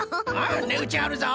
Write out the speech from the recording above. ねうちあるぞ！